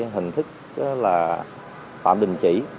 hình thức là phạm đình chỉ